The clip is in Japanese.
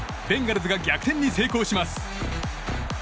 ベンガルズが逆転に成功します。